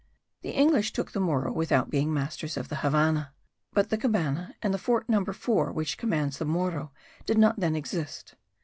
The English took the Morro without being masters of the Havannah; but the Cabana and the Fort Number 4 which commands the Morro did not then exist.